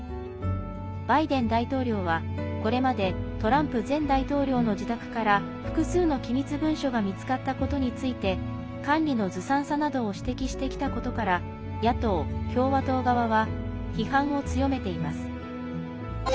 バイデン大統領は、これまでトランプ前大統領の自宅から複数の機密文書が見つかったことについて管理のずさんさなどを指摘してきたことから野党・共和党側は批判を強めています。